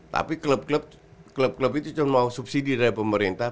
tapi klub klub itu cuma mau subsidi dari pemerintah